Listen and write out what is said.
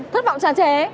thất vọng tràn trề